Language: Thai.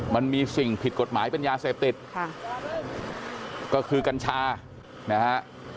มันมีสิ่งผิดกฎหมายเป็นยาเสพติดค่ะก็คือกัญชานะฮะ